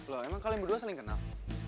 loh emang kalian berdua saling kenal